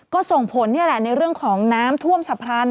ก็ส่งผลนี่แหละในเรื่องของน้ำท่วมฉับพลัน